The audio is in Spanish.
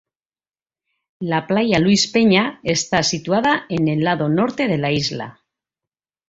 La playa Luis Peña está situada en el lado norte de la isla.